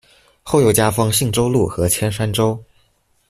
后又加封信州路和铅山州。